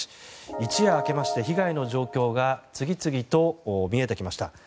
一夜明けまして被害の状況が次々と見えてきました。